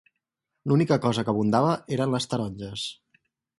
L'única cosa que abundava eren les taronges